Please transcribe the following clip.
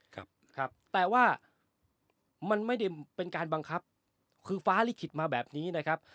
ครับครับแต่ว่ามันไม่ได้เป็นการบังคับคือฟ้าลิขิตมาแบบนี้นะครับ